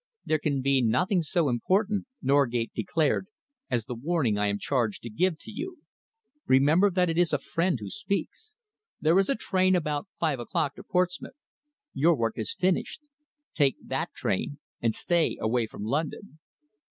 "There can be nothing so important," Norgate declared, "as the warning I am charged to give to you. Remember that it is a friend who speaks. There is a train about five o'clock to Portsmouth. Your work is finished. Take that train and stay away from London."